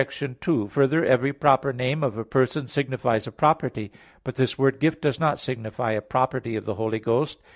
2: Further, every proper name of a person signifies a property. But this word Gift does not signify a property of the Holy Ghost.